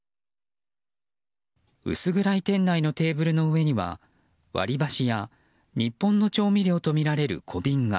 薄暗い店内のテーブルの上には割り箸や日本の調味料とみられる小瓶が。